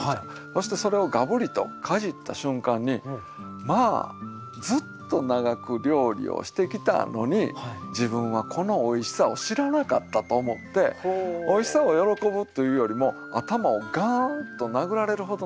そしてそれをガブリとかじった瞬間にまあずっと長く料理をしてきたのに自分はこのおいしさを知らなかったと思っておいしさを喜ぶというよりも頭をガーンと殴られるほどのショックを受けたんですね。